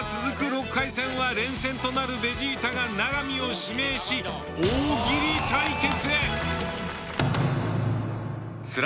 ６回戦は連戦となるベジータが永見を指名し大喜利対決。